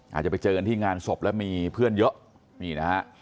อาจจะไปเจอกันที่งานศพแล้วมีเพื่อนเยอะนี่นะฮะ